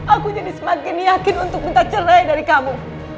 aku jadi semakin yakin untuk minta cerai dari kamu